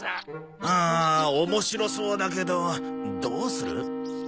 うん面白そうだけどどうする？